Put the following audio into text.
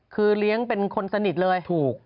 คือเลี้ยงเป็นคนสนิทเลยถูก